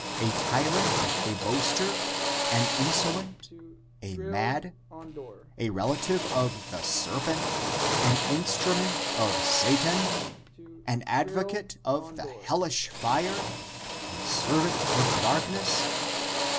a ty rant? a boaster? an insolent? a mad? a relative of the serpent ? an instrument of Satan ? an advocate of the hellish fire? a servant of darkness?